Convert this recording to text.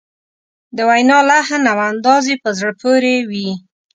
د وینا لحن او انداز یې په زړه پورې وي.